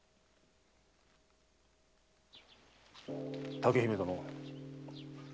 竹姫殿。